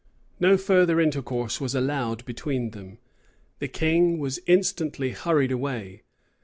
No further intercourse was allowed between them, The king was instantly hurried away.